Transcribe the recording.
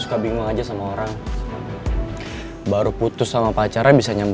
sampai jumpa di video selanjutnya